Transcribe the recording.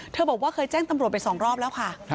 เธอบอกว่าเคยแจ้งตำรวจไปสองรอบแล้วค่ะ